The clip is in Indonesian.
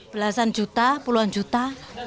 belasan juta puluhan juta